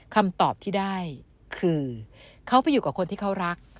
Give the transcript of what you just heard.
คำตอบที่ได้คือเขาไปอยู่กับคนที่เขารัก